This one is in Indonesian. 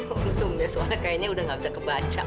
untung dia suara kayaknya udah gak bisa kebaca